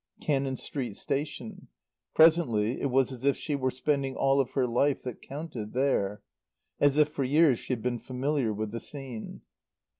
Cannon Street Station. Presently it was as if she were spending all of her life that counted there; as if for years she had been familiar with the scene.